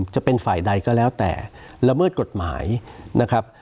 จะเป็นฝ่ายใดก็แล้วแต่ละเมิดกฎหมายนะครับ